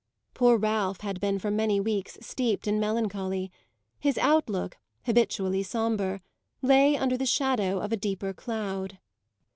Poor Ralph had been for many weeks steeped in melancholy; his outlook, habitually sombre, lay under the shadow of a deeper cloud.